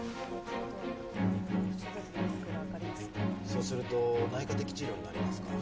そうすると内科的治療になりますか。